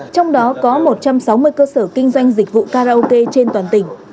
trong đó có một trăm sáu mươi cơ sở kinh doanh dịch vụ karaoke trên toàn tỉnh